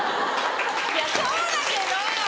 いやそうだけど！